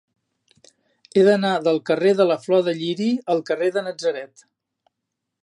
He d'anar del carrer de la Flor de Lliri al carrer de Natzaret.